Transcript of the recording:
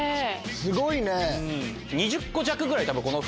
すごいね！